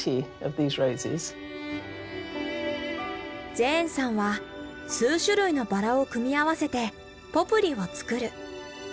ジェーンさんは数種類のバラを組み合わせてポプリを作る。